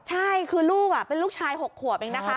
ใช่คือลูกเป็นลูกชาย๖ขวบเองนะคะ